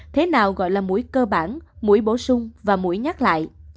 thế nào gọi là mũi cơ bản mũi bổ sung và mũi nhát lại